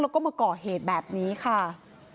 แล้วก็มาก่อเหตุแบบนี้ค่ะ